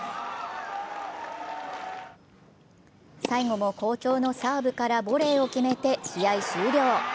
最後も好調のサーブからボレーを決めて試合終了。